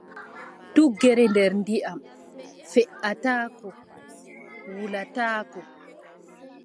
Tuggere nder ndiyam, feʼataako wulataako.